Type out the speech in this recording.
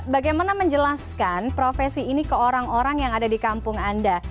bagaimana menjelaskan profesi ini ke orang orang yang ada di kampung anda